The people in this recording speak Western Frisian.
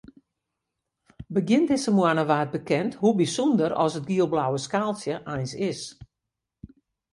Begjin dizze moanne waard bekend hoe bysûnder as it giel-blauwe skaaltsje eins is.